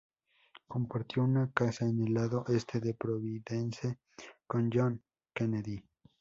Compartió una casa en el lado este de Providence con John F. Kennedy Jr.